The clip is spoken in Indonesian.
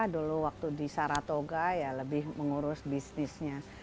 dulu waktu di saratoga ya lebih mengurus bisnisnya